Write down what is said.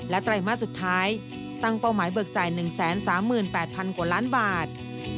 และไตรมาสสุดท้ายตั้งเป้าหมายเบิกจ่ายหนึ่งแสนสามหมื่นแปดพันกว่าล้านบาท